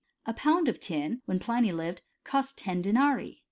A pound of tin, when Pliny lived, cost ten denarii.